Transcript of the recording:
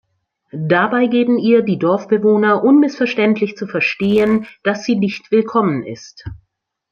Dabei geben ihr die Dorfbewohner unmissverständlich zu verstehen, dass sie nicht willkommen ist.